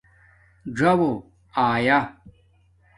ژݹں آیا